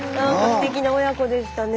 すてきな親子でしたね。